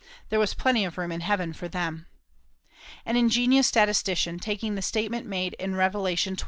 There was plenty of room in heaven for them. An ingenious statistician, taking the statement made in Revelation xxi.